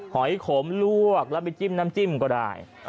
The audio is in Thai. หอยขมลวกแล้วไปจิ้มน้ำจิ้มก็ได้